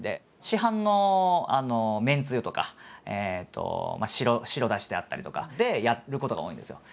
市販のめんつゆとか白だしであったりとかでやることが多いんですよ。